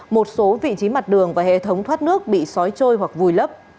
một số vị trí mặt đường và hệ thống thoát nước bị xói trôi hoặc vùi lấp